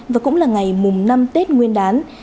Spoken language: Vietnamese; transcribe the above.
và cũng là ngày mùng năm tết nguyên đán